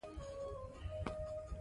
ښار زموږ لوی کور دی.